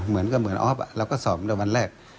เหมือนกับเหมือนออฟเราก็สอบในวันแรก